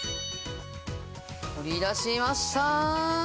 取り出しました！